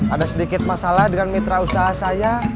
ada sedikit masalah dengan mitra usaha saya